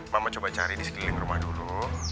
mama coba cari di sekeliling rumah dulu